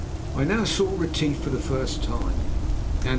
I now saw Retief for the first time, and ah!